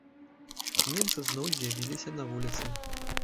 Немцы зноў з'явіліся на вуліцы.